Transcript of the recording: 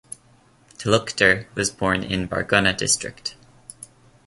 Talukder was born in Barguna district.